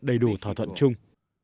đầy đủ thỏa thuận chung